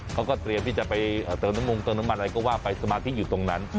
เขาก็เตรียมที่จะไปเติมน้ำมงเติมน้ำมันอะไรก็ว่าไปสมาธิอยู่ตรงนั้น